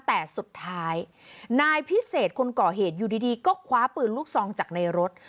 แต่สุดท้ายนายพิเศษคนก่อเหตุอยู่ดีก็คว้าปืนลูกซองจากในรถ